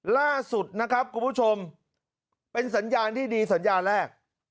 ล่าสุดนะครับคุณผู้ชมเป็นสัญญาณที่ดีสัญญาแรก